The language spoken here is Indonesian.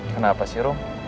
kenapa sih rum